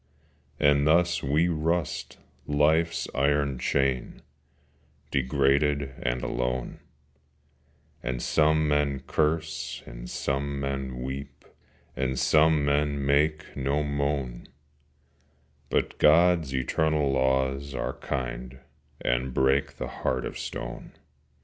And thus we rust Life's iron chain Degraded and alone: And some men curse, and some men weep, And some men make no moan: But God's eternal Laws are kind And break the heart of stone.